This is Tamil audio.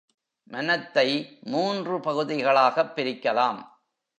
மனத்தை மூன்று பகுதிகளாகப் பிரிக்கலாம்.